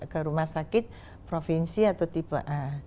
ke rumah sakit provinsi atau tipe a